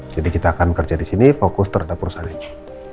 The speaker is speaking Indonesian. jadi kita akan kerja di sini fokus terhadap urusan ini